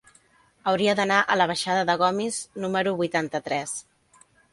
Hauria d'anar a la baixada de Gomis número vuitanta-tres.